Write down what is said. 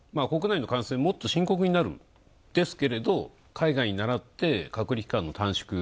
国内の感染はもっと深刻になるんですが、海外にならって、隔離期間の短縮。